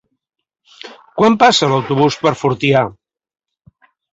Quan passa l'autobús per Fortià?